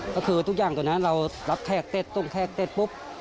ก็คือทุกอย่างตรงนั้นเรารับแขกเสร็จตรงแขกเสร็จปุ๊บ